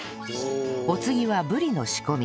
お次はぶりの仕込み